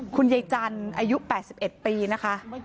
คุณยายจันทร์อายุ๘๑ปีนะคะ